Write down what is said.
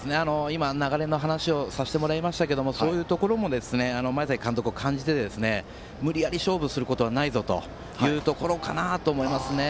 流れの話をさせてもらいましたがそういうところも前崎監督は感じて無理やり勝負することはないぞというところかなと思いますね。